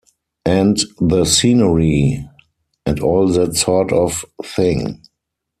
And the scenery, and all that sort of thing.